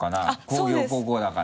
工業高校だから。